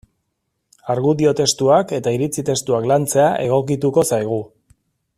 Argudio testuak eta iritzi testuak lantzea egokituko zaigu.